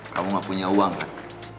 kamu gak punya uang kan